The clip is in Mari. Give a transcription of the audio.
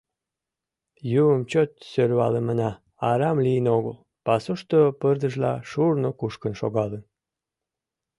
Юмым чот сӧрвалымына арам лийын огыл: пасушто пырдыжла шурно кушкын шогалын.